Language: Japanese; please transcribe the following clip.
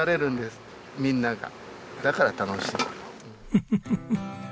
フフフフ。